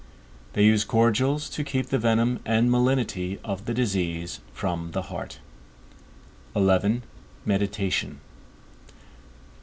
They use cordials, to keep the venom and malignity of the disease from the heart. XI. MEDITATION.